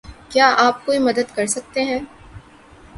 کیا آپ کوئی مدد کر سکتے ہیں؟